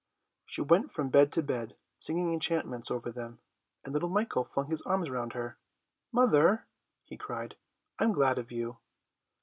She went from bed to bed singing enchantments over them, and little Michael flung his arms round her. "Mother," he cried, "I'm glad of you."